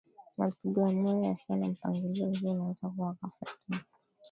mapigo ya moyo yasiyo na mpangilio hivyo unaweza kufa ghafla tu